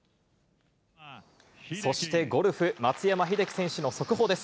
そして、ゴルフ、松山英樹選手の速報です。